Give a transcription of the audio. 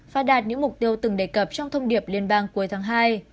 và đạt những mục tiêu từng đề cập trong thông điệp liên bang cuối tháng hai